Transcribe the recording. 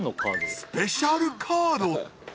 スペシャルカードって？